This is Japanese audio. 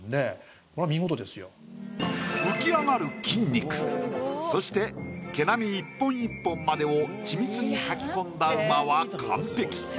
浮き上がる筋肉そして毛並み１本１本までを緻密に描き込んだ馬は完璧。